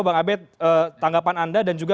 bang abed tanggapan anda dan juga